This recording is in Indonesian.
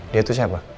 dia itu siapa